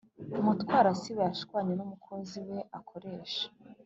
Mutwarasibo yashwanye numukozi we akoresha